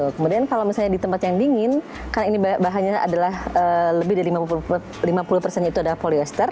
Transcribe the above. kemudian kalau misalnya di tempat yang dingin karena ini bahannya adalah lebih dari lima puluh persennya itu adalah polyester